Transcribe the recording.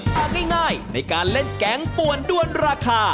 แต่ง่ายในการเล่นแกงป่วนด้วนราคา